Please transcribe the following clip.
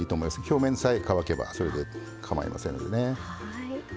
表面さえ乾けばそれでかまいませんのでね。